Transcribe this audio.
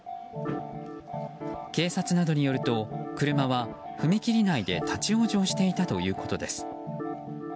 警察などによると車は踏切内で立ち往生していたということです。